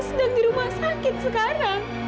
sedang di rumah sakit sekarang